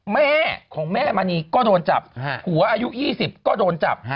แม่ของแม่มณีก็โดนจับผัวอายุ๒๐ก็โดนจับ